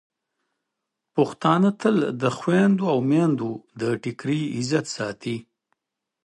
پښتانه تل د خویندو او میندو د ټکري عزت ساتي.